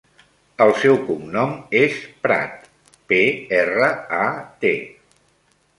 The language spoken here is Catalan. El seu cognom és Prat: pe, erra, a, te.